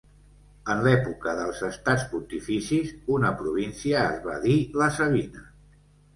En l'època dels Estats Pontificis una província es va dir La Sabina.